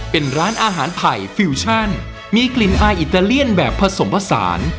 เป็นร้านอาหารไผ่ฟิวชั่นมีกลิ่นอายอิตาเลียนแบบผสมผสาน